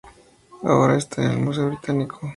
Ahora está en el Museo Británico.